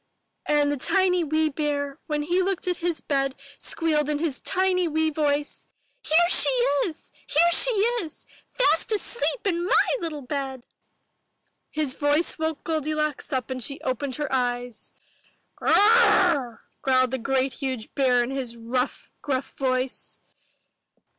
And the tiny wee bear, when he looked at his bed, squealed in his tiny wee voice, ''Here she is! Here she is! Fast asleep in my little bed." His voice woke Goldilocks up and she opened her eyes. "GR — R — r* growled the great huge bear in his 252 I N T HE N U R S E R Y rough gruff voice.